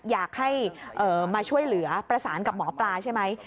อยากให้มาช่วยเหลือประสานกับหมอปลาใช่ไหม